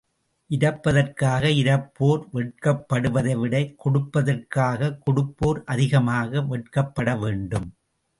இரப்பதற்காக இரப்போர் வெட்கப்படுவதைவிட, கொடுப்பதற்காகக் கொடுப்போர் அதிகமாக வெட்கப்படவேண்டும்.